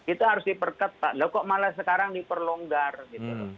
itu harus diperket pak loh kok malah sekarang diperlonggar gitu